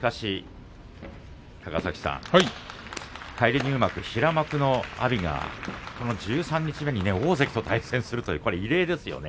高崎さん、平幕の阿炎が十三日目に大関と対戦するというのは異例ですね。